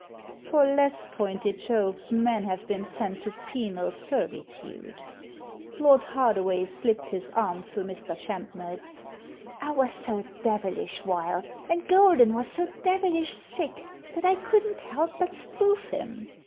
For less pointed jokes men have been sent to penal servitude." Lord Hardaway slipped his arm through Mr. Champnell's. "I was so devilish wild, and Golden was so devilish sick, that I couldn't help but spoof him.